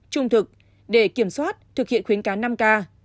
trung thực để kiểm soát thực hiện khuyến cán năm ca